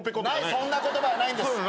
そんな言葉はないんです。